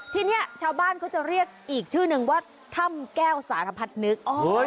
ทีนี้ชาวบ้านเขาจะเรียกอีกชื่อนึงว่าถ้ำแก้วสารพัฒนึก